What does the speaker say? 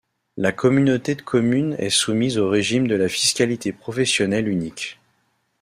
La communauté de communes est soumise au régime de la fiscalité professionnelle unique.